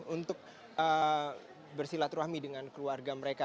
untuk bersilaturahmi dengan keluarga mereka